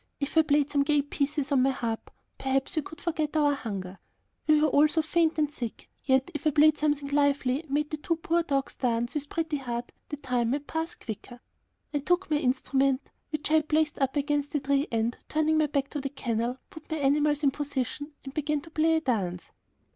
If I played some gay pieces on my harp, perhaps we could forget our hunger. We were all so faint and sick, yet if I played something lively and made the two poor dogs dance with Pretty Heart the time might pass quicker. I took my instrument, which I had placed up against a tree and, turning my back to the canal I put my animals in position and began to play a dance.